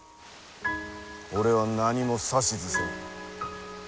俺は何も指図せん。